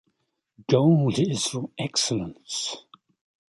Gold is for excellence.